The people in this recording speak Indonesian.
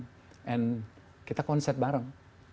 dan kita konset bareng